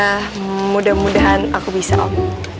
ya mudah mudahan aku bisa om